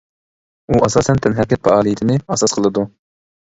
ئۇ ئاساسەن تەنھەرىكەت پائالىيىتىنى ئاساس قىلىدۇ.